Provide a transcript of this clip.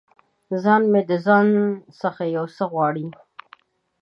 ځان مې د ځان څخه یو څه غواړي